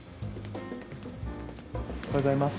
おはようございます。